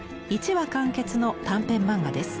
１話完結の短編漫画です。